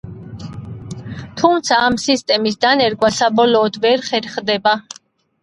თუმცა, ამ სისტემის დანერგვა საბოლოოდ ვერ ხერხდება.